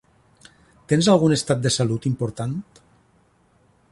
Tens algun estat de salut important?